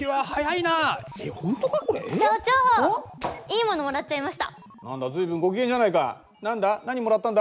いいものもらっちゃいました。